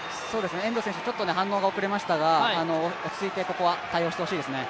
遠藤選手、ちょっと反応が遅れましたが、落ち着いてここは対応してほしいですね。